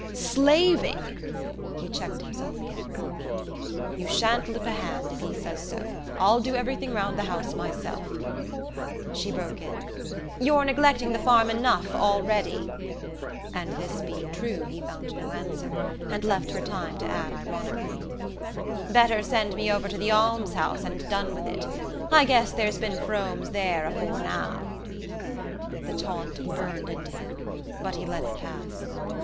"Slaving! " He checked himself again, "You sha'n't lift a hand, if he says so. I'll do everything round the house myself " She broke in: "You're neglecting the farm enough already," and this being true, he found no answer, and left her time to add ironically: "Better send me over to the almshouse and done with it... I guess there's been Fromes there afore now." The taunt burned into him, but he let it pass.